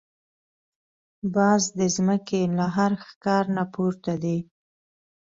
باز د زمکې له هر ښکار نه پورته دی